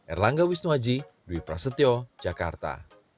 erlangga wisnuwaji dewi prasetyo jakarta